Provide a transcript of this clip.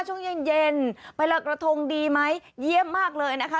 ช่วงเย็นเย็นไปลอยกระทงดีไหมเยี่ยมมากเลยนะคะ